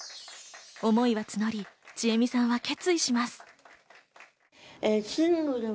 思いは募り、ちえみさんは決意します。